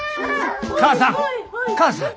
母さん母さん。